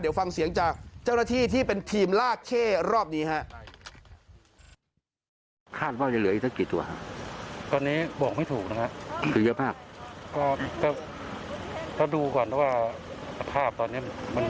เดี๋ยวฟังเสียงจากเจ้าหน้าที่ที่เป็นทีมลากเช่รอบนี้ครับ